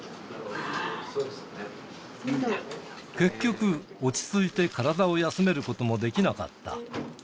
結局、落ち着いて体を休めることもできなかった。